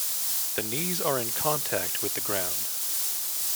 The knees are in contact with the ground.